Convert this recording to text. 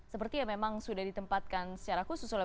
seperti ya memang sudah ditempatkan secara khusus oleh presiden